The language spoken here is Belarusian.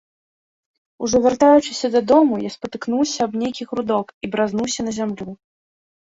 Ужо вяртаючыся дадому, я спатыкнуўся аб нейкі грудок і бразнуўся на зямлю.